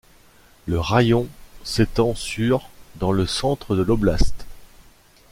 Le raïon s'étend sur dans le centre de l'oblast.